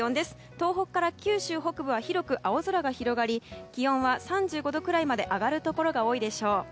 東北から九州北部は広く青空が広がり気温は３５度くらいまで上がるところが多いでしょう。